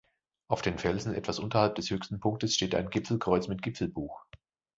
Auf den Felsen etwas unterhalb des höchsten Punktes steht ein Gipfelkreuz mit Gipfelbuch.